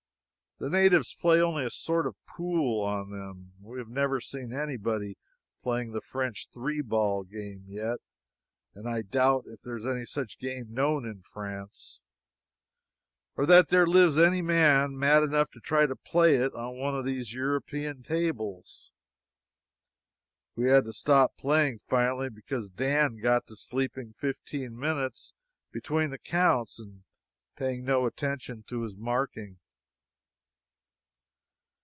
The natives play only a sort of pool on them. We have never seen any body playing the French three ball game yet, and I doubt if there is any such game known in France, or that there lives any man mad enough to try to play it on one of these European tables. We had to stop playing finally because Dan got to sleeping fifteen minutes between the counts and paying no attention to his marking.